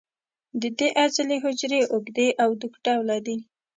د دې عضلې حجرې اوږدې او دوک ډوله دي.